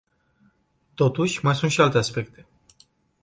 Totuși, mai sunt și alte aspecte.